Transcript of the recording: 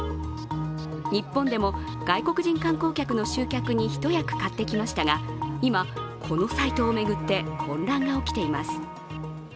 日本でも外国人観光客の集客に一役買ってきましたが、今、このサイトを巡って混乱が起きています。